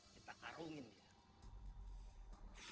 kita karungin dia